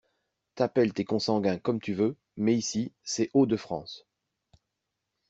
t’appelles tes consanguins comme tu veux, mais ici, c’est Hauts-de-France.